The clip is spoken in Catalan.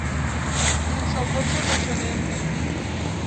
Fins al dotze de gener.